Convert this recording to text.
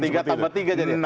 tiga tambah tiga